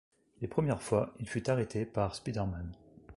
Les premières fois, il fut arrêté par Spider-Man.